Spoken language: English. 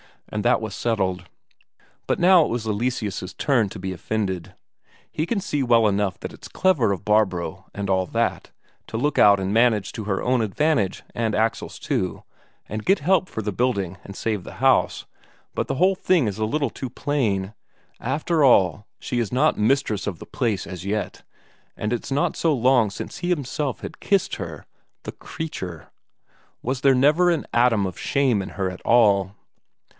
And that was settled. But now it was Eleseus' turn to be offended. He can see well enough that it's clever of Barbro and all that, to look out and manage to her own advantage and Axel's too, and get help for the building and save the house, but the whole thing is a little too plain; after all, she is not mistress of the place as yet, and it's not so long since he himself had kissed her the creature! Was there never an atom of shame in her at all?